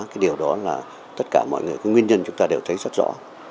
cái điều đó là tất cả mọi người cái nguyên nhân chúng ta đều thấy rất rõ